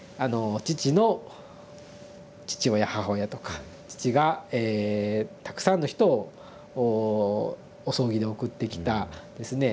父の父親母親とか父がえたくさんの人をお葬儀で送ってきたですね